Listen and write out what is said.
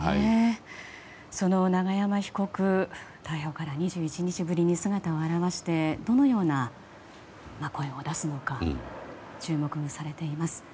その永山被告逮捕から２１日ぶりに姿を現してどのような声を出すのか注目されています。